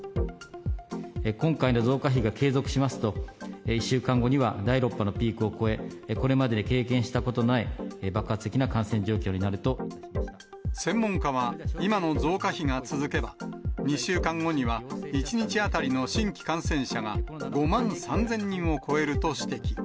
今回の増加比が継続しますと、１週間後には第６波のピークを超え、これまでに経験したことのな専門家は、今の増加比が続けば、２週間後には１日当たりの新規感染者が５万３０００人を超えると指摘。